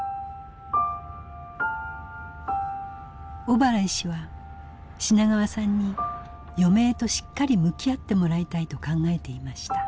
小原医師は品川さんに余命としっかり向き合ってもらいたいと考えていました。